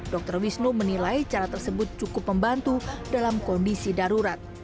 dr wisnu menilai cara tersebut cukup membantu dalam kondisi darurat